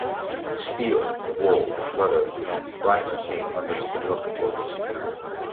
Steel, wool, leather and flax came under similar controls.